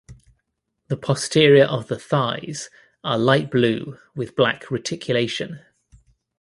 The posterior of the thighs are light blue with black reticulation.